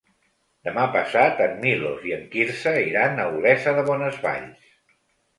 Demà passat en Milos i en Quirze iran a Olesa de Bonesvalls.